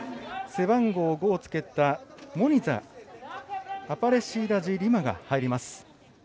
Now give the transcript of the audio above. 背番号５をつけたモニザ・アパレッシーダジリマが入ります。